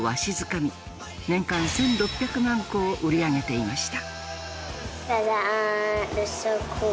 年間１，６００万個を売り上げていました。